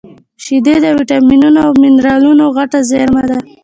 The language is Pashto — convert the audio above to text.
شیدې د ویټامینونو او مینرالونو غټه زېرمه ده